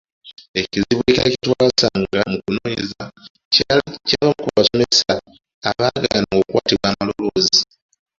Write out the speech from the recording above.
Ekizibu ekirala kye twasanga mu kunoonyereza kyali ky’abamu ku basomesa abaagaana okukwatibwa amaloboozi.